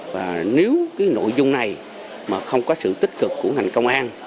và nếu cái nội dung này mà không có sự tích cực của ngành công an